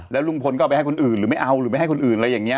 แล้วลุงพลก็เอาไปให้คนอื่นหรือไม่เอาหรือไม่ให้คนอื่นอะไรอย่างนี้